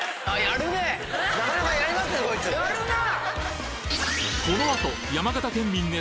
やるなぁ！